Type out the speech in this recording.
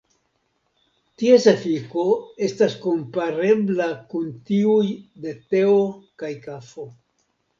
Ties efiko estas komparebla kun tiuj de teo kaj kafo.